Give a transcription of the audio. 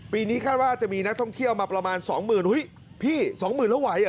ปีนี้คาดว่าจะมีนักท่องเที่ยวมาประมาณสองหมื่นเฮ้ยพี่สองหมื่นแล้วไหวเหรอ